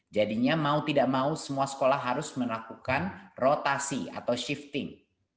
jadinya mau tidak mau semua sekolah harus melakukan rotasi atau shifting